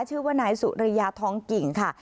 ชื่อว่านายสุริยาทองกิ่งค่ะ